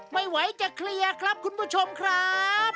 ไม่ไหวจะเคลียร์ครับคุณผู้ชมครับ